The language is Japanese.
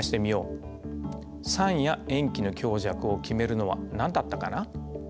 酸や塩基の強弱を決めるのは何だったかな？